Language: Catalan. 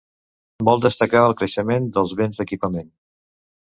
Vol destacar el creixement dels béns d’equipament.